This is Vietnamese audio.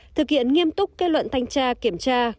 thực hiện nghiêm túc kết luận thanh tra kiểm tra